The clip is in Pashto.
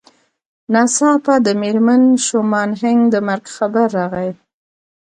ناڅاپه د مېرمن شومان هينک د مرګ خبر راغی.